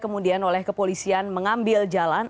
kemudian oleh kepolisian mengambil jalan